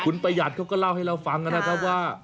คุณประหยัดเขาก็เล่าให้เราฟังนะครับว่า